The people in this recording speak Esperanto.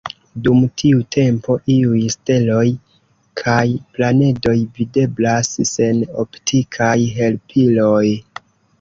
Dum tiu tempo iuj steloj kaj planedoj videblas sen optikaj helpiloj.